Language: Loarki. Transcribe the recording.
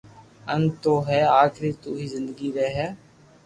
انت تو ھي آخري تو ھي زندگي ري ھر